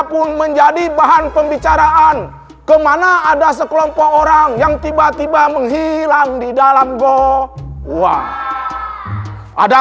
pun menjadi bahan pembicaraan ke mana ada sekelompok orang yang tiba tiba menghilang di dalam goa ada